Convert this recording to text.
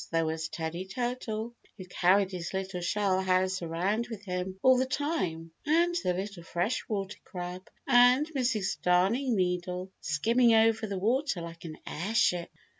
There was Teddy Turtle, who carried his little shell house around with him all the time, and the little Freshwater Crab, and Mrs. Darning Needle, skimming over the water like an airship.